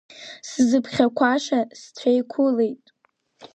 Сзыԥхьақәаша сцәеиқәылеит.